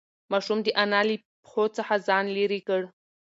ماشوم د انا له پښو څخه ځان لیرې کړ.